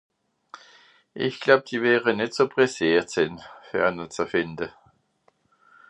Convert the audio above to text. Ìch gläub, die wäre nìtt so presseert sìn, fer ne ze fìnde.